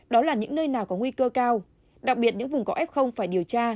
đó là những nơi nào có nguy cơ cao đặc biệt những vùng có ép không phải điều tra